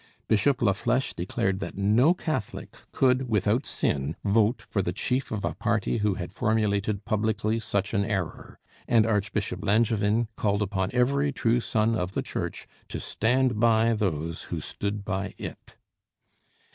Bishop Laflèche declared that no Catholic could without sin vote for the chief of a party who had formulated publicly such an error, and Archbishop Langevin called upon every true son of the Church to stand by those who stood by it.